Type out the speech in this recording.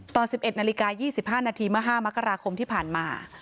ตอน๑๑นาฬิกา๒๕นาทีเมื่อ๕มกราคมที่ผ่านมา